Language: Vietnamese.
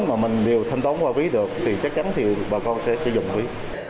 mà mình đều thanh toán qua ví được thì chắc chắn thì bà con sẽ dùng ví